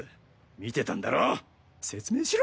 見てたんだろ説明しろ。